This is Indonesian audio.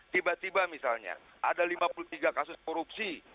tiba tiba misalnya ada lima puluh tiga kasus korupsi